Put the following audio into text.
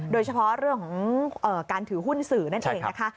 โดยเฉพาะเรื่องของการถือหุ้นสื่อนั่นเองนะคะ